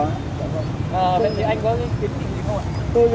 vâng bây giờ anh có kiểm tra gì không ạ